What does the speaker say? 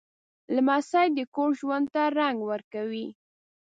لمسی د کور ژوند ته رنګ ورکوي.